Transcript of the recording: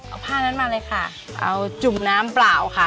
เอาผ้านั้นมาเลยค่ะเอาจุ่มน้ำเปล่าค่ะ